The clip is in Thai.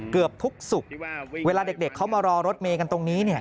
เกือบทุกศุกร์เวลาเด็กเขามารอรถเมย์กันตรงนี้เนี่ย